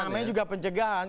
namanya juga pencegahan